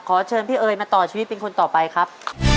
เชิญพี่เอ๋ยมาต่อชีวิตเป็นคนต่อไปครับ